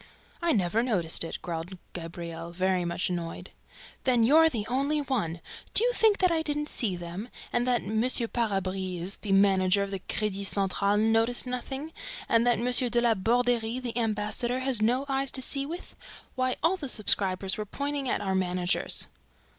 "I never noticed it," growled Gabriel, very much annoyed. "Then you're the only one! ... Do you think that I didn't see them? ... And that M. Parabise, the manager of the Credit Central, noticed nothing? ... And that M. de La Borderie, the ambassador, has no eyes to see with? ... Why, all the subscribers were pointing at our managers!"